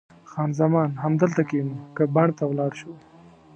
خان زمان: همدلته کښېنو که بڼ ته ولاړ شو؟